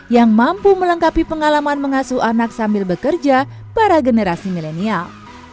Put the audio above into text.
yang mampu melengkapi pengalaman mengasuh anak sambil bekerja para generasi milenial